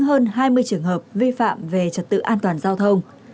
hơn hai mươi trường hợp vi phạm về trật tự an toàn giao thông